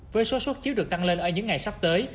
với số xuất chiếu được tăng lên ở những ngày sắp tới